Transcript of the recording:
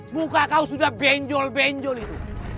buka kau sudah benjol benjol itu